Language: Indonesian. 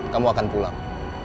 kamu akan pulang